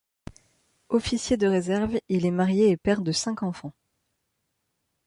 Officier de réserve, il est marié et père de cinq enfants.